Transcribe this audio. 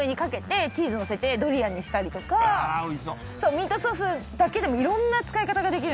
ミートソースだけでいろんな使い方ができるんですよ。